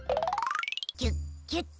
ギュッギュッと。